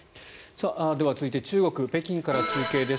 では続いて中国・北京から中継です。